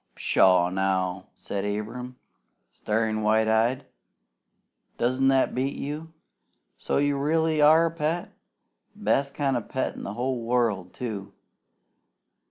"Pshaw now!" said Abram, staring wide eyed. "Doesn't that beat you? So you really are a pet? Best kind of a pet in the whole world, too!